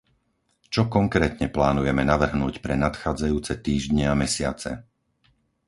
Čo konkrétne plánujeme navrhnúť pre nadchádzajúce týždne a mesiace?